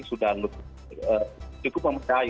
sudah cukup mempercayai